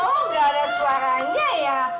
oh nggak ada suaranya ya